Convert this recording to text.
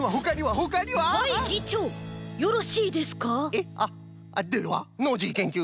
えっあっではノージーけんきゅういん。